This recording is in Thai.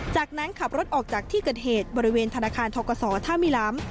จากนั้นขับรถออกจากที่เกิดเหตุบริเวณธนาคารทกศท่ามิล้ำ